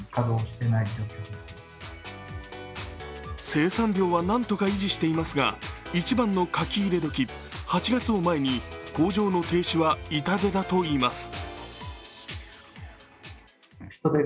生産量はなんとか維持していますが一番の書き入れ時８月を前に工場の停止は痛手だといいます。